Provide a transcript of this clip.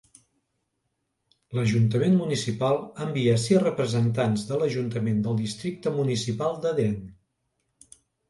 L'ajuntament municipal envia sis representants de l'ajuntament del districte municipal d'Eden.